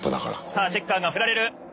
さあチェッカーが振られる。